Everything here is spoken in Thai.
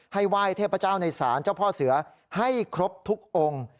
ให้ไหว้เทพเจ้าในศาลเจ้าพ่อเสือให้ครบทุกองค์